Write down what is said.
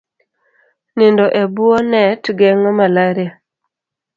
Nindo e bwo net geng'o malaria